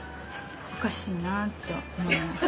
おかしいなぁとおもいます。